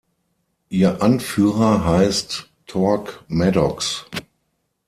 Ihr Anführer heißt Tork Maddox.